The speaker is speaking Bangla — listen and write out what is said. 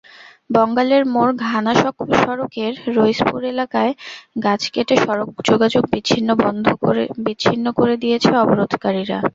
বঙ্গালের মোড়-ঘোনা সড়কের রইচপুর এলাকায় গাছ কেটে সড়ক যোগাযোগ বিচ্ছিন্ন করে দিয়েছে অবরোধকারীরা।